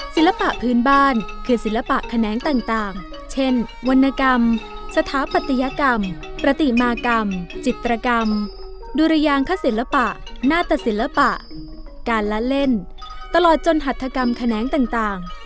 ศิลปะพื้นบ้านคือศิลปะแขนงต่างเช่นวรรณกรรมสถาปัตยกรรมปฏิมากรรมจิตรกรรมดุรยางคศิลปะหน้าตศิลปะการละเล่นตลอดจนหัตถกรรมแขนงต่าง